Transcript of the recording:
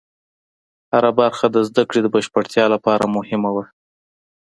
هره برخه د زده کړې د بشپړتیا لپاره مهمه وه.